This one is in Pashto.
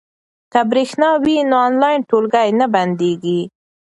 که برېښنا وي نو آنلاین ټولګی نه بندیږي.